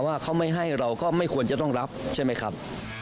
ว่าเขาไม่ให้เราก็ไม่ควรจะต้องรับใช่ไหมครับ